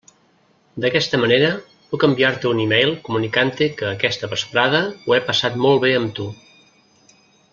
D'aquesta manera puc enviar-te un e-mail comunicant-te que aquesta vesprada ho he passat molt bé amb tu.